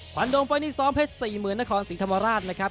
ขวัญโดมเฟ้อนิสร้อมเพชร๔๐๐๐๐นครศิษย์ธรรมราชนะครับ